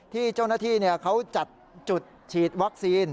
ที่เจ้าหน้าที่เขาจัดจุดฉีดวัคซีน